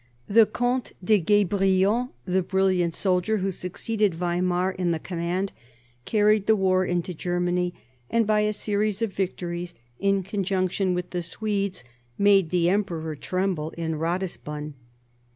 The Comte de Guebriant, the brilliant soldier who succeeded Weimar in the com mand, carried the war into Germany, and by a series of victories, in conjunction with the Swedes, " made the Emperor tremble in Ratisbon."